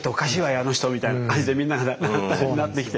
あの人」みたいな感じでみんながなってきて。